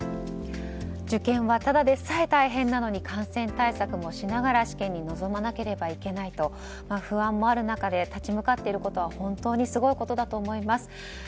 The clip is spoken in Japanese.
受験はただでさえ大変なのに感染対策もしながら試験に臨まなければいけないと不安もある中で立ち向かっていることは本当にすごいことだと思います。